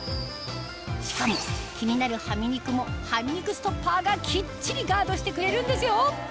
しかも気になるハミ肉もハミ肉ストッパーがきっちりガードしてくれるんですよ